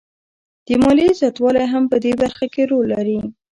د ماليې زیاتوالی هم په دې برخه کې رول لري